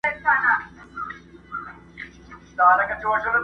د شنه چنار په ننداره وزمه!.